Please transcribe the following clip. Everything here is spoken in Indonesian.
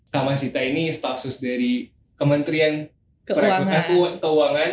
pak mas sita ini staffsus dari kementerian keuangan